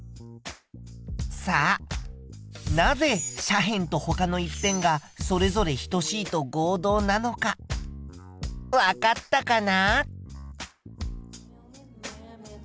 さあなぜ斜辺とほかの１辺がそれぞれ等しいと合同なのかわかったかな？